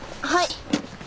はい。